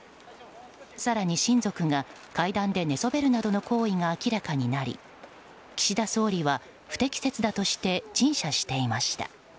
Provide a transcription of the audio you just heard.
更に、親族が階段で寝そべるなどの行為が明らかになり岸田総理が不適切だとして陳謝していました。